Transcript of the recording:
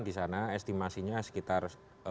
di sana estimasinya sekitar